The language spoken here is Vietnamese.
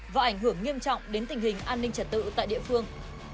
và ảnh hưởng nghiêm trọng đến tình hình an ninh trật tự tại địa phương